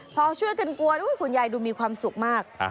พอช่วยกันกลัวคุณยายดูมีความสุขมาก